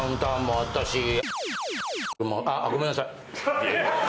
あごめんなさい。